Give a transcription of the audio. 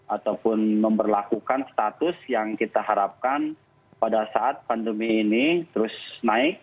ataupun memperlakukan status yang kita harapkan pada saat pandemi ini terus naik